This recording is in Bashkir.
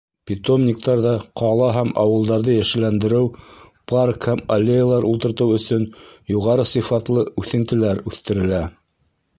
Питомниктарҙа ҡала һәм ауылдарҙы йәшелләндереү, парк һәм аллеялар ултыртыу өсөн юғары сифатлы үҫентеләр үҫтерелә.